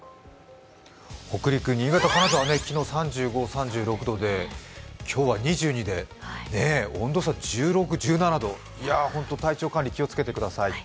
北陸・新潟、金沢、昨日は３５、３６で今日は２２で、温度差１６１７度、ほんと体調管理、気をつけてください。